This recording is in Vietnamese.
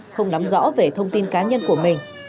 không nắm rõ về thông tin cá nhân của mình